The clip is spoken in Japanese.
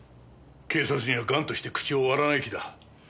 警察には頑として口を割らない気だ。